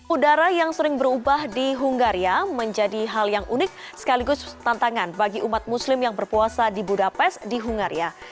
udara yang sering berubah di hungaria menjadi hal yang unik sekaligus tantangan bagi umat muslim yang berpuasa di budapest di hungaria